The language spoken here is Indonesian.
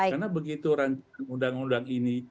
karena begitu ranjakan undang undang ini